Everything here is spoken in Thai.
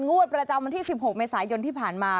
งวดประจำวันที่๑๖เมษายนที่ผ่านมา